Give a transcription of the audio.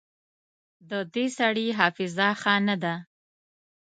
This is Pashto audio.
د دې سړي حافظه ښه نه ده